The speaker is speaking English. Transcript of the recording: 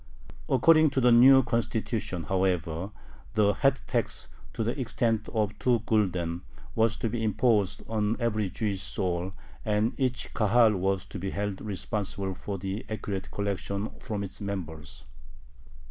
According to the new "constitution," however, the head tax, to the extent of two gulden, was to be imposed on every Jewish soul, and each Kahal was to be held responsible for the accurate collection from its members.